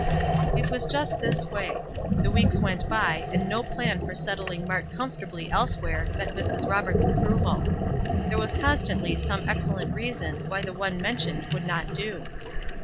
It was just this way. The weeks went by, and no plan for settling Mart comfortably elsewhere met Mrs. Roberts' approval. There was constantly some excellent reason why the one mentioned would not do.